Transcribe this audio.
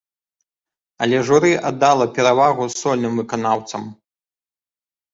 Але журы аддала перавагу сольным выканаўцам.